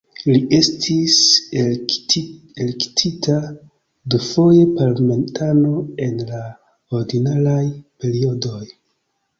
Li estis elektita dufoje parlamentano en la ordinaraj periodoj.